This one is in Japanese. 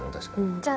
じゃあ